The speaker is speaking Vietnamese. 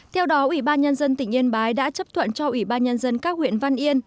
theo đó ủy ban nhân dân tỉnh yên bái đã chấp thuận cho ủy ban nhân dân các huyện văn yên